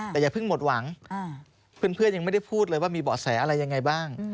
แต่อย่าเพิ่งหมดหวังเพื่อนยังไม่ได้พูดเลยว่ามีเบาะแสอะไรยังไงบ้าง